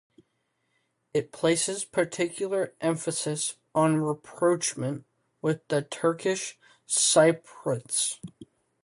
It places particular emphasis on rapprochement with the Turkish Cypriots.